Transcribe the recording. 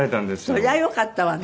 それはよかったわね。